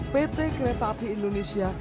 pt kereta api indonesia